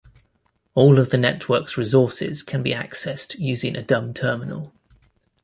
All of the network's resources can be accessed using a dumb terminal.